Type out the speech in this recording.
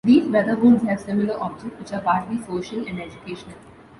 These brotherhoods have similar objects which are partly social and educational.